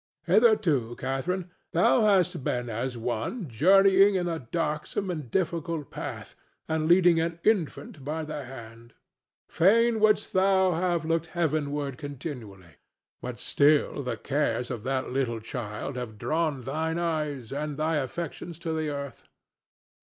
Hitherto, Catharine, thou hast been as one journeying in a darksome and difficult path and leading an infant by the hand; fain wouldst thou have looked heavenward continually, but still the cares of that little child have drawn thine eyes and thy affections to the earth.